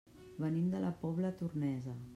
Venim de la Pobla Tornesa.